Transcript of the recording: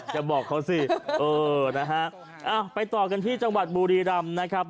อย่าบอกเขาสิไปต่อกันที่จังหวัดบูรีรัมนะครับ